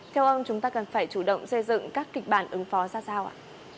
theo ông chúng ta cần phải chủ động xây dựng các kịch bản ứng phó ra sao ạ